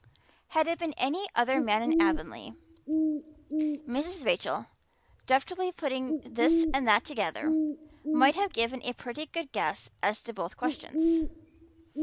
Had it been any other man in Avonlea, Mrs. Rachel, deftly putting this and that together, might have given a pretty good guess as to both questions.